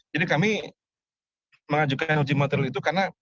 jadi kami mengajukan uji materi itu karena